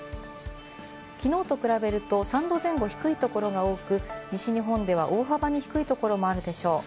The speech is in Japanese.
昨日と比べると３度前後、低い所が多く、西日本では大幅に低いところもあるでしょう。